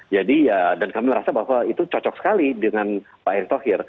jadi ya dan kami merasa bahwa itu cocok sekali dengan pak erick thohir